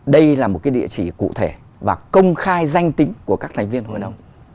đây là một cái địa chỉ cụ thể và công khai danh tính của các thành viên hội đồng